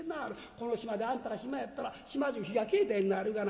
この島であんたが暇やったら島中火が消えたようになるがな。